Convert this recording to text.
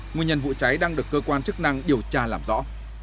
nguyên nhân vụ cháy đang được cơ quan chức năng điều tra làm rõ